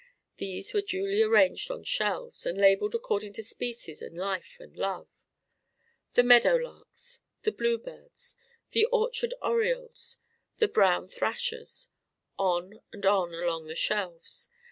These were duly arranged on shelves, and labelled according to species and life and love: "The Meadow Lark's" "The Blue bird's" "The Orchard Oriole's" "The Brown Thrasher's"; on and on along the shelves.